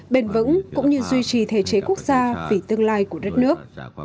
bền vững cũng như duy trì thể chế quốc gia vì tương lai của đất nước